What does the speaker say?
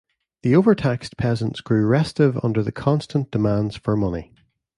The over-taxed peasants grew restive under the constant demands for money.